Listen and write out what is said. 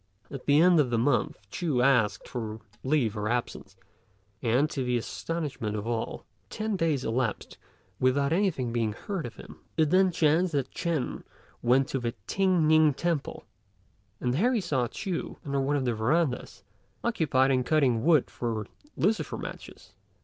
At the end of the month Ch'u asked for leave of absence, and, to the astonishment of all, ten days elapsed without anything being heard of him. It then chanced that Ch'ên went to the T'ien ning temple, and there he saw Ch'u under one of the verandahs, occupied in cutting wood for lucifer matches.